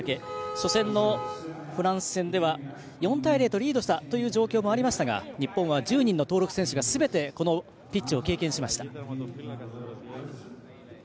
初戦のフランス戦では４対０とリードした状況もありましたが日本は１０人の登録選手がすべてこのピッチを経験しました。